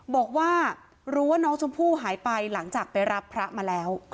บอกว่ารู้ว่าน้องชมพู่หายไปหลังจากไปรับพระมาแล้ว